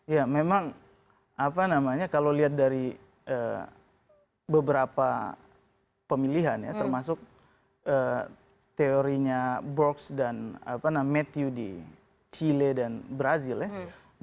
ya memang apa namanya kalau lihat dari beberapa pemilihan ya termasuk teorinya brox dan matthew di chile dan brazil ya